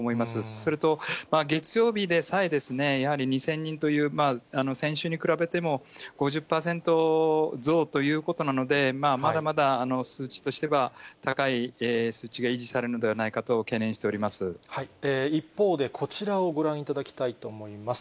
それと、月曜日でさえ、やはり２０００人という、先週に比べても５０％増ということなので、まだまだ数値としては高い数値が維持されるのではないかと懸念し一方で、こちらをご覧いただきたいと思います。